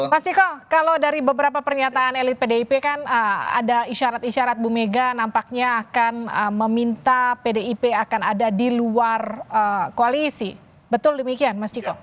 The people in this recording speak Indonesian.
mas ciko kalau dari beberapa pernyataan elit pdip kan ada isyarat isyarat bu mega nampaknya akan meminta pdip akan ada di luar koalisi betul demikian mas ciko